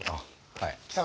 はい。